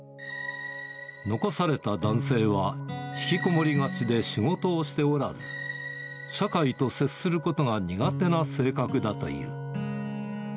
残された男性は、引きこもりがちで仕事をしておらず、社会と接することが苦手な性格だという。